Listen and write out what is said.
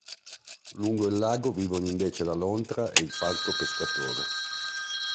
Lungo il lago vivono invece la lontra e il falco pescatore.